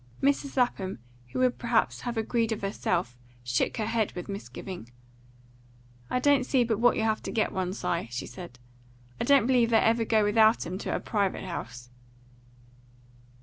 Mrs. Lapham, who would perhaps have agreed of herself, shook her head with misgiving. "I don't see but what you'll have to get you one, Si," she said. "I don't believe they ever go without 'em to a private house."